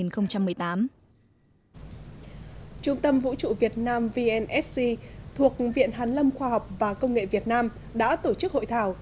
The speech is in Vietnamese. trung tâm vũ trụ việt nam vnsc thuộc viện hàn lâm khoa học và công nghệ việt nam đã tổ chức hội thảo